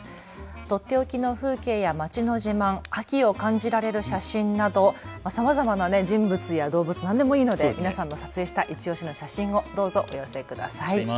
とっておきの風景や街の自慢、秋を感じられる写真などさまざまな人物や動物、何でもいいので皆さんの撮影したいちオシの写真をどうぞお寄せください。